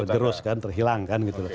tergerus kan terhilangkan gitu